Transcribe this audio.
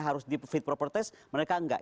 harus di fit propertes mereka nggak